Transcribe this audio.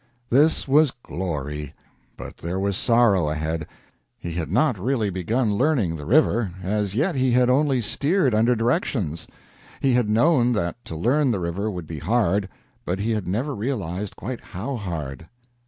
This was glory, but there was sorrow ahead. He had not really begun learning the river as yet he had only steered under directions. He had known that to learn the river would be hard, but he had never realized quite how hard.